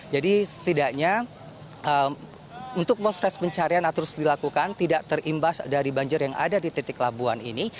jadi setidaknya untuk konsentrasi pencarian yang terus dilakukan tidak terimbas dari banjir yang ada di titik labuan ini